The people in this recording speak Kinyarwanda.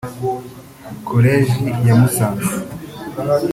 Koleji ya Musanze